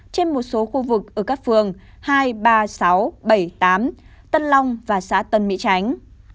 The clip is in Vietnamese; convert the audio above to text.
trên một số khu vực ở các phường hai ba sáu bảy tám tân long và xã tân mỹ chánh